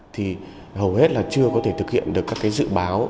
thì hầu hết chưa có thể thực hiện được các dự báo